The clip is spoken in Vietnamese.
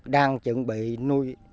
đang chuẩn bị nuôi